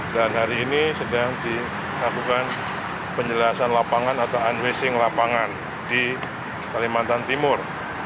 dan hari ini sedang dilakukan penjelasan lapangan atau unwasing lapangan di kalimantan timur